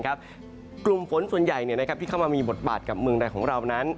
กลุ่มฝนส่วนใหญ่ที่เข้ามามีบทบาทกับเมืองใดของเรานั้น